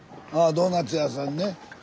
ドーナツ屋さんにね。